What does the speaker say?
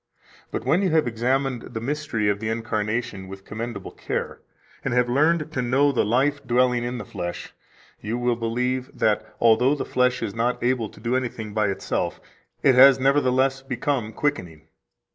But when you have examined the mystery of the incarnation with commendable care, and have learned to know the life dwelling in the flesh, you will believe that, although the flesh is not able to do anything by itself, it has nevertheless become quickening.